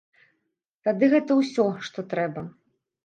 Тады гэта ўсё, што трэба.